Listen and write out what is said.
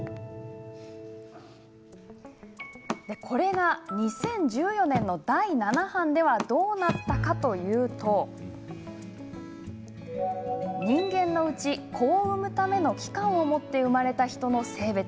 これが２０１４年の第七版ではどうなったかというと「人間のうち、子を生むための器官を持って生まれた人。